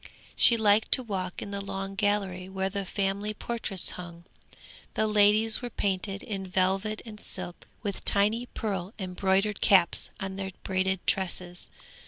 She liked to walk in the long gallery where the family portraits hung. The ladies were painted in velvet and silk, with tiny pearl embroidered caps on their braided tresses.